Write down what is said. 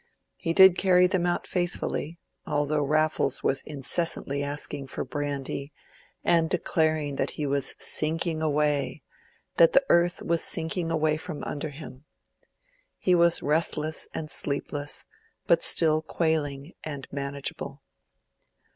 He did carry them out faithfully, although Raffles was incessantly asking for brandy, and declaring that he was sinking away—that the earth was sinking away from under him. He was restless and sleepless, but still quailing and manageable.